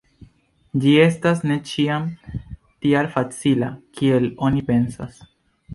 Ĝi estas ne ĉiam tial facila, kiel oni pensas.